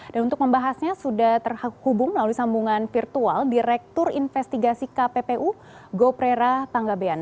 dan untuk membahasnya sudah terhubung melalui sambungan virtual direktur investigasi kppu goprera panggabean